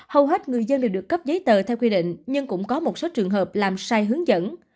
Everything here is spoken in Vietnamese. hầu hết người dân đều được cấp giấy tờ theo quy định nhưng cũng có một số trường hợp làm sai hướng dẫn